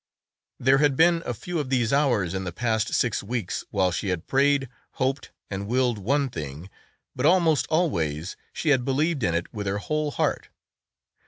There had been a few of these hours in the past six weeks while she had prayed, hoped and willed one thing, but almost always she had believed in it with her whole heart.